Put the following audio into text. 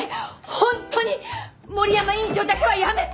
本当に森山院長だけはやめて！